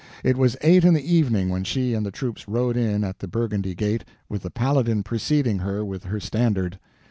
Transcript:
It was eight in the evening when she and the troops rode in at the Burgundy gate, with the Paladin preceding her with her standard.